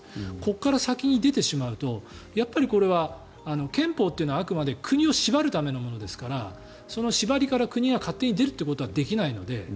ここから先に出てしまうと憲法というのはあくまで国を縛るためのものですからその縛りから国が勝手に出るということはできないので。